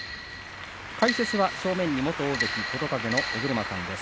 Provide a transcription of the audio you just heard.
解説は正面に元大関琴風の尾車さんです。